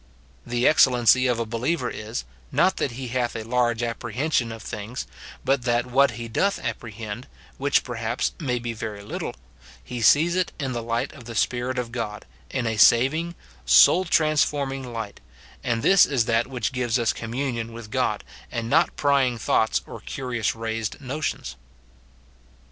The excellency of a believer is, not that he hath a large apprehension of things, but that what he doth apprehend, which perhaps may be very little, he sees it in the light of the Spirit of God, in a saving, soul transforming light ; and this is that which gives us communion with God, and not prying thoughts or curious raised notions.